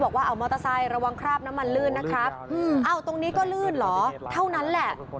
โห้้ระวังคร่าบน้ำมันรื่นนะครับอ้าวตรงนี้ก็รื่นเหรอเท่านั้นแหละ